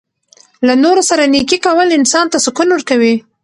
له نورو سره نیکي کول انسان ته سکون ورکوي.